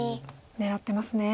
狙ってますね。